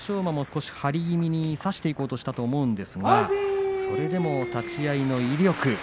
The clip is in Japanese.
馬も少し張り気味に差していこうとしたと思うんですが立ち合いの威力